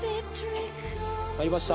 入りました。